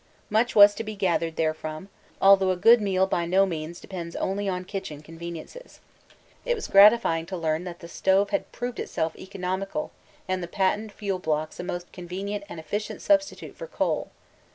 Much was to be gathered therefrom, although a good meal by no means depends only on kitchen conveniences. It was gratifying to learn that the stove had proved itself economical and the patent fuel blocks a most convenient and efficient substitute for coal.